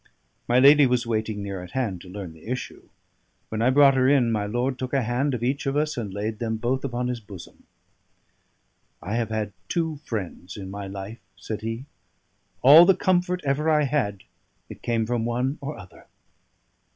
My lady was waiting near at hand to learn the issue. When I brought her in, my lord took a hand of each of us, and laid them both upon his bosom. "I have had two friends in my life," said he. "All the comfort ever I had, it came from one or other.